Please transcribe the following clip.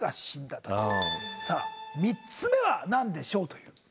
さあ３つ目は何でしょうという。